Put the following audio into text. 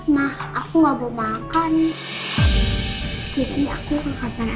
ma aku gak mau makan